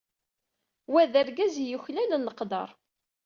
Wa d argaz ay yuklalen leqder.